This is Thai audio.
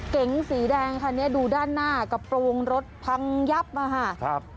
เก๋งสีแดงคันนี้ดูด้านหน้ากระโปรงรถพังยับมาค่ะครับ